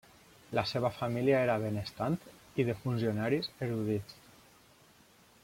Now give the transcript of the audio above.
La seva família era benestant i de funcionaris erudits.